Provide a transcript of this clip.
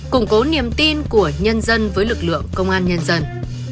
củng cố niềm tin của nhân dân với lực lượng công an nhân dân